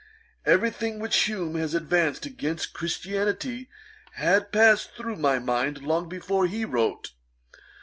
Every thing which Hume has advanced against Christianity had passed through my mind long before he wrote.